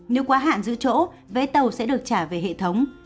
nếu quá hạn giữ chỗ vé tàu sẽ được trả về hệ thống